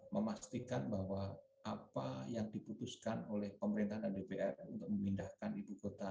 memastikan bahwa apa yang diputuskan oleh pemerintah dan dpr untuk memindahkan ibu kota